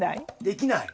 できない？